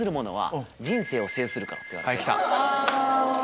はいきた！